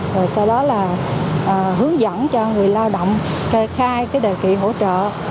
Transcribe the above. rồi sau đó là hướng dẫn cho người lao động kê khai đề kỷ hỗ trợ